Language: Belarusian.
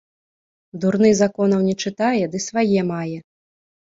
Дурны законаў не чытае, ды свае мае